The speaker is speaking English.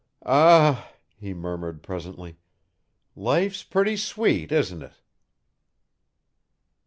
"Ah," he murmured presently, "life's pretty sweet, isn't it!"